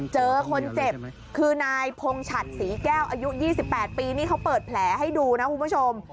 เจอคนเจ็บคือนายพงฉัดศรีแก้วอายุ๒๘ปีนี่เขาเปิดแผลให้ดูนะคุณผู้ชม